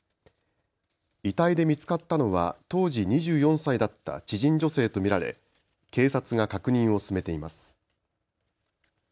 遺体で見つかったのは当時２４歳だった知人女性と見られ警察が確認を進めています。